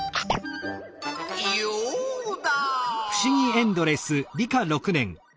ヨウダ！